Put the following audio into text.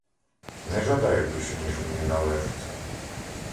Не жадаю більше, ніж мені належиться.